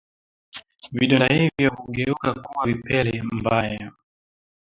Vidonda hivyo hugeuka kuwa upele mbaya